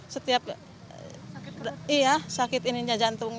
setiap sakit jantungnya sangat banget